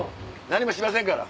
何もしませんから。